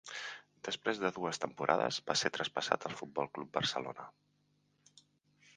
Després de dues temporades, va ser traspassat al Futbol Club Barcelona.